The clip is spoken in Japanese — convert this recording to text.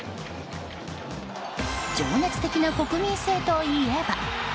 情熱的な国民性といえば。